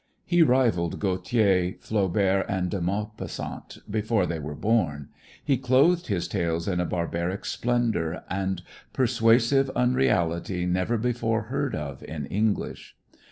He rivalled Gautier, Flaubert and de Maupassant before they were born. He clothed his tales in a barbaric splendor and persuasive unreality never before heard of in English.